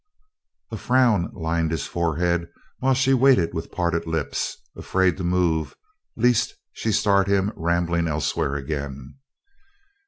A frown lined his forehead while she waited with parted lips, afraid to move lest she start him rambling elsewhere again.